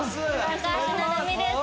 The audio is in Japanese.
高橋成美です。